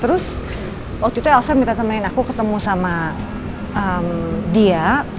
terus waktu itu elsa minta teman aku ketemu sama dia